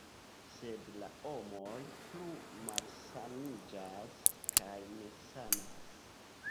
Sed la homoj plu malsaniĝas kaj nesanas.